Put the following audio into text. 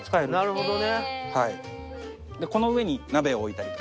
なるほど。